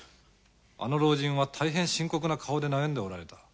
あの老人はたいへん深刻な顔で悩んでおられた。